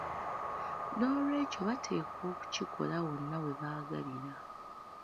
N'olwekyo bateekwa okukikola wonna we baagalira.